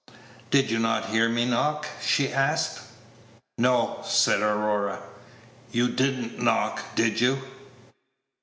"Did you not hear me knock?" she asked. "No," said Aurora, "you did n't knock! Did you?"